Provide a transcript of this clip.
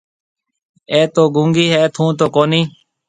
اَي تو گُونگِي هيَ ٿُون تو ڪونِي۔